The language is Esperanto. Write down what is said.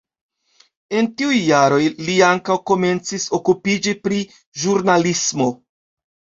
En tiuj jaroj li ankaŭ komencis okupiĝi pri ĵurnalismo.